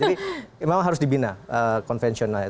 jadi memang harus dibina konvensionalnya